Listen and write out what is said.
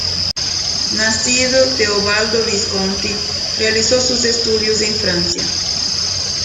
Nacido Teobaldo Visconti, realizó sus estudios en Francia.